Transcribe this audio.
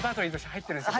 入ってるんすよ